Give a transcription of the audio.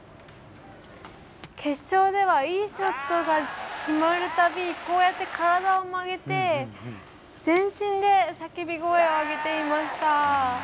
決勝ではいいショットが決まるたびに体を曲げて全身で叫び声を上げていました。